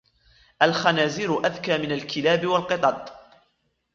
الخنازير أذكى من الكلاب والقطط.